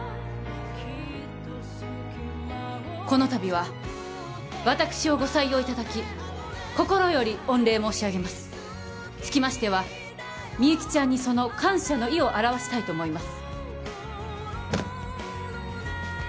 このたびは私をご採用いただき心より御礼申し上げますつきましてはみゆきちゃんにその感謝の意を表したいと思います